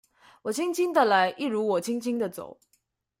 我輕輕地來一如我輕輕的走